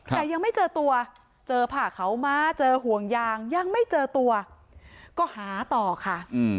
แต่ยังไม่เจอตัวเจอผ่าเขาม้าเจอห่วงยางยังไม่เจอตัวก็หาต่อค่ะ